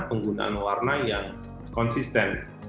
penggunaan warna yang konsisten